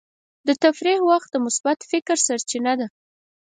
د تفریح وخت د مثبت فکر سرچینه ده.